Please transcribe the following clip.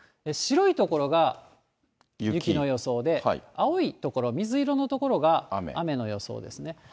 白い所が雪の予想で、青い所、水色の所が雨の予想ですね。